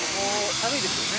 ◆軽いですよね。